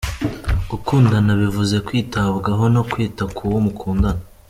Gukundana bivuze kwitabwaho no kwita k’uwo mukundana.